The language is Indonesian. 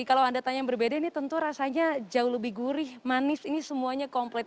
kalau anda tanya yang berbeda ini tentu rasanya jauh lebih gurih manis ini semuanya komplit